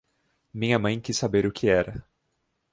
Minha mãe quis saber o que era.